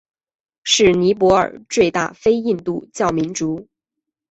是尼泊尔的最大非印度教民族。